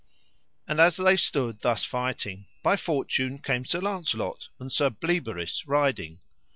And as they stood thus fighting, by fortune came Sir Launcelot and Sir Bleoberis riding.